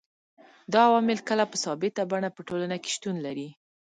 دا عوامل کله په ثابته بڼه په ټولنه کي شتون لري